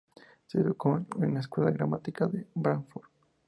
Se educó en Escuela de Gramática de Bradford.